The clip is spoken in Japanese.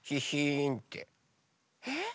えっ？